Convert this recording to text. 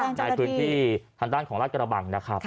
ในพื้นที่ทางด้านของราชกระบังนะครับ